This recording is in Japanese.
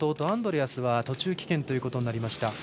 アンドレアスは途中棄権ということになりました。